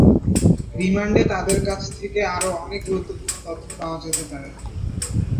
রিমান্ডে তাঁদের কাছ থেকে আরও অনেক গুরুত্বপূর্ণ তথ্য পাওয়া যেতে পারে।